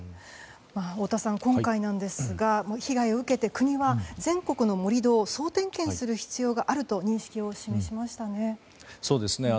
太田さん、今回なんですが被害を受けて、国は全国の盛り土を総点検する必要があると認識を示しましたね。